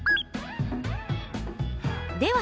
では